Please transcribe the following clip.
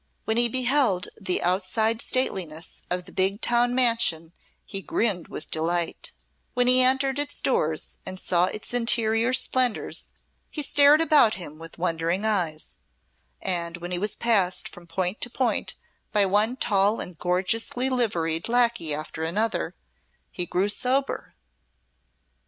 When he beheld the outside stateliness of the big town mansion he grinned with delight; when he entered its doors and saw its interior splendours he stared about him with wondering eyes; and when he was passed from point to point by one tall and gorgeously liveried lacquey after another, he grew sober.